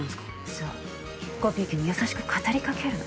そうコピー機に優しく語り掛けるの。